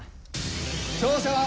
勝者は。